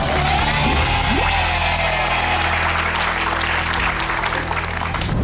เย้